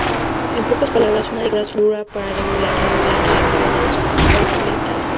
En pocas palabras: una dictadura para regular la vida de los proletarios.